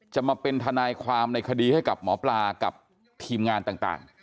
จะมาเป็นทนายความในคดีให้กับหมอปลากับทีมงานต่าง